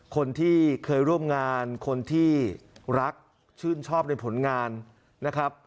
คนที่เคยร่วมงานคนที่รักชื่นชอบในผลงานนะครับ